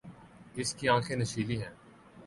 اس کی آنکھیں نشیلی ہیں۔